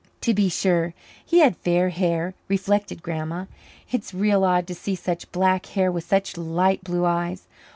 To be sure, he had fair hair, reflected Grandma. It's real odd to see such black hair with such light blue eyes.